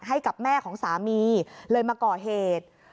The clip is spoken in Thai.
ให้กับแม่ของสามีเลยมาก่อเหตุ